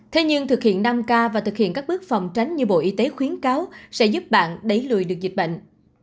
thế nhưng thực hiện năm k và thực hiện các bước phòng tránh như bộ y tế khuyến cáo sẽ giúp bạn đẩy lùi được dịch bệnh